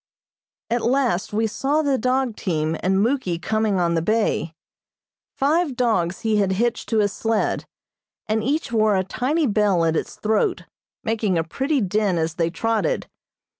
At last we saw the dog team and Muky coming on the bay. Five dogs he had hitched to his sled, and each wore a tiny bell at its throat, making a pretty din as they trotted.